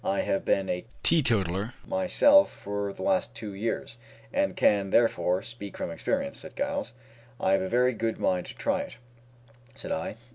I have been a teetotaller myself for the last two years, and can, therefore, speak, from experience," said Giles. "I have a very good mind to try it," said I.